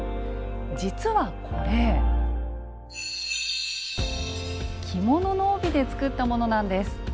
実はこれ着物の帯で作ったものなんです。